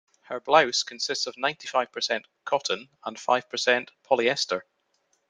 Her blouse consists of ninety-five percent cotton and five percent polyester.